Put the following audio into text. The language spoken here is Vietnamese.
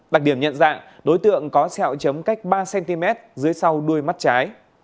đặc điểm nhận dạng đối tượng có xẹo chấm cách ba cm dưới sau đuôi mắt trái